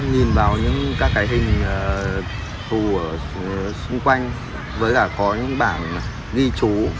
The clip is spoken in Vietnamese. nhìn vào những các hình khu xung quanh với cả có những bảng ghi chú